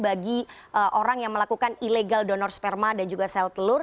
bagi orang yang melakukan ilegal donor sperma dan juga sel telur